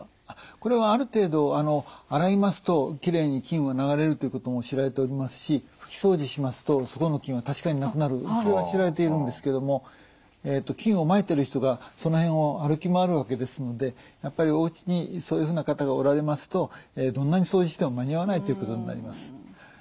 これはある程度洗いますときれいに菌は流れるっていうことも知られておりますし拭き掃除しますとそこの菌は確かになくなるそれは知られているんですけども菌をまいてる人がその辺を歩き回るわけですのでやっぱりおうちにそういうふうな方がおられますとどんなに掃除しても間に合わないということになります。